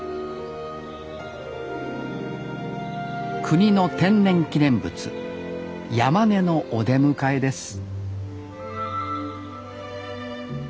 国の天然記念物ヤマネのお出迎えです